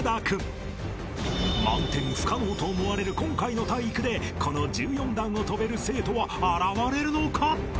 ［満点不可能と思われる今回の体育でこの１４段を跳べる生徒は現れるのか？］